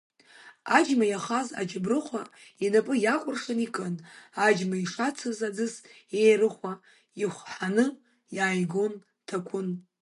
Аџьма иахаз аҷыбырхәа, инапы иакәыршан икын, аџьма ишацыз аӡыс еирыхәа, ихәҳаны иааигон Ҭакәын.